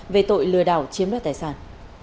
về tội lừa đảo chiếm đoạt tài sản